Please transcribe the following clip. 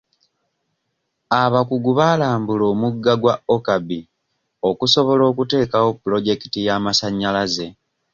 Abakugu baalambula omugga gwa Okabi okusobola okuteekawo pulojekiti y'amasanyalaze.